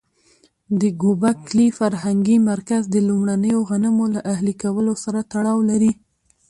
د ګوبک لي فرهنګي مرکز د لومړنیو غنمو له اهلي کولو سره تړاو لري.